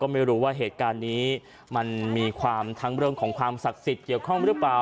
ไม่รู้ว่าเหตุการณ์นี้มันมีจากการที่เกี่ยวข้องหรือเปล่า